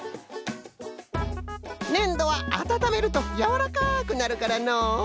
ねんどはあたためるとやわらかくなるからのう。